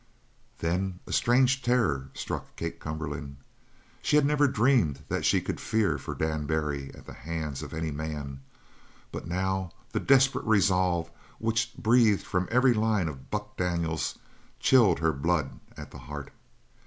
Then a strange terror struck Kate Cumberland. She had never dreamed that she could fear for Dan Barry at the hands of any man, but now the desperate resolve which breathed from every line of Buck Daniels, chilled her blood at the heart.